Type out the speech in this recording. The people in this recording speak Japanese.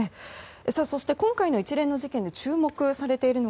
そして、今回の一連の事件で注目されているのは